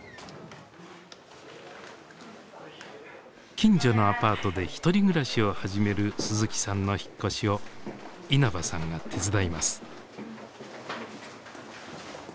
近所のアパートで１人暮らしを始める鈴木さんの引っ越しを稲葉さんが手伝います。